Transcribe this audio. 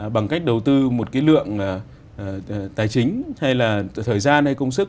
bằng cách đầu tư một cái lượng tài chính hay là thời gian hay công sức